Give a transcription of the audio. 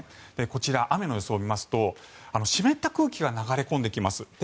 こちら、雨の予想を見ますと湿った空気が流れ込んできます。